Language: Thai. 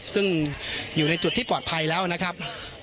ซึ่งอยู่ในจุดที่ปลอดภัยแล้วนะครับ